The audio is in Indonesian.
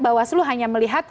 bawaslu hanya melihat